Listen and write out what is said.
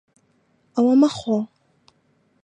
ئەوە مەخۆ.